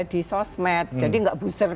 di sosmed jadi tidak buzzer